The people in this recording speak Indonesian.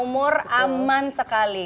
umur aman sekali